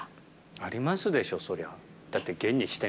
ありますでしょ、そりゃ。